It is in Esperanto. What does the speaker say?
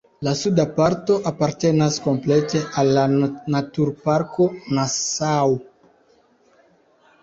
La suda parto apartenas komplete al la naturparko Nassau.